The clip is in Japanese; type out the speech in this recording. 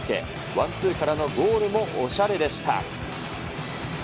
ワンツーからのゴールもおしゃれでした。